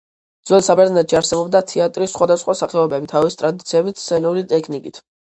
ძველ საბერძნეთში არსებობდა თეატრის სხვადასხვა სახეობები თავისი ტრადიციებით, სცენური ტექნიკით.